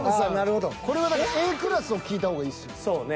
これはだからＡクラスを聞いた方がいいですよね。